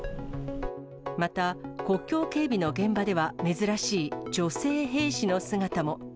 また国境警備の現場では珍しい女性兵士の姿も。